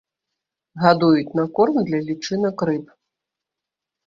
Гадуюць на корм для лічынак рыб.